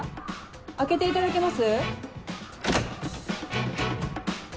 開けていただけます？